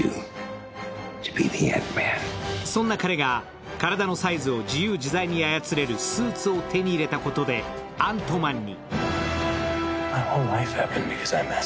そんな彼が体のサイズを自由自在に操れるスーツを手に入れたことでアントマンに。